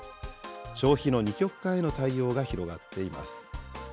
消費の二極化への対応が広がっています。